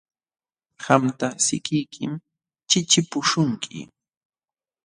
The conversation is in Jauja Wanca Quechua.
Qamta sikiykim chiqchipuśhunki.